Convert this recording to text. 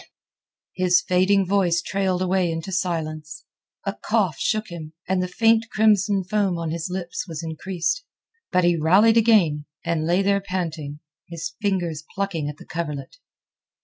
His fading voice trailed away into silence. A cough shook him, and the faint crimson foam on his lips was increased. But he rallied again, and lay there panting, his fingers plucking at the coverlet.